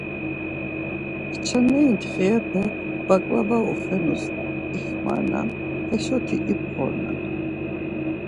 Kçaneri ntxirepe baǩlava oxenus ixmanam, heşoti imxonan.